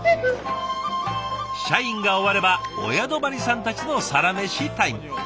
社員が終われば親泊さんたちのサラメシタイム。